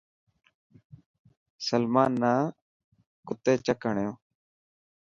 سلمان نا ڪٿي چڪ هڻيو.